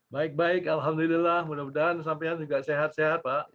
baik baik alhamdulillah mudah mudahan sampai juga sehat sehat pak